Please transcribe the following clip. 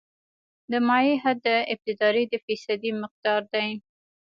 د مایع حد د ابدارۍ د فیصدي مقدار دی